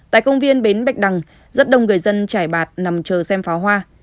tại công viên bến bạch đằng rất đông người dân trải bạt nằm chờ xem pháo hoa